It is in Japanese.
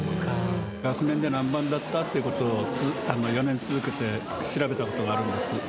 学年で何番だった？っていう事を４年続けて調べた事があるんです。